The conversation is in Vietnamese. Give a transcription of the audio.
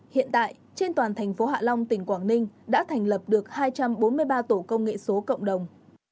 hiện tại trên toàn thành phố hạ long tỉnh quảng ninh đã thành lập được hai trăm bốn mươi ba tổ công nghệ số cộng đồng